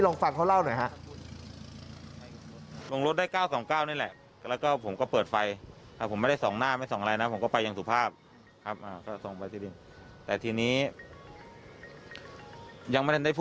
ลองฝากเขาเล่าหน่อยฮะ